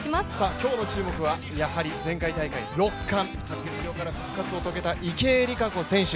今日の注目はやはり前回大会６冠、白血病から復活を遂げた池江璃花子選手。